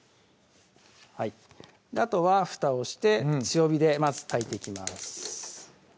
あとはふたをして強火でまず炊いていきます